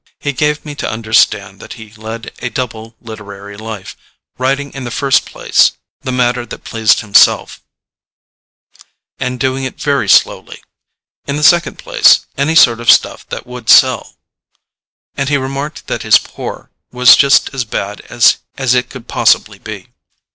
He gave me to understand that he led a double literary life; writing in the first place the matter that pleased himself, and doing it very slowly; in the second place, any sort of stuff that would sell. And he remarked that his poor was just as bad as it could possibly be.